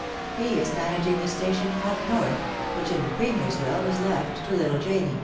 He is managing the station ' up north,' which in the Premier's will was left to little Janie.